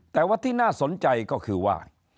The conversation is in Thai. แต่ว่าที่น่าสนใจก็คือว่า